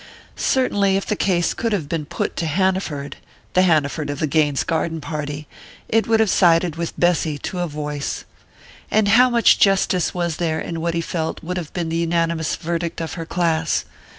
Certainly, if the case could have been put to Hanaford the Hanaford of the Gaines garden party it would have sided with Bessy to a voice. And how much justice was there in what he felt would have been the unanimous verdict of her class?